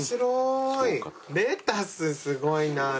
レタスすごいな。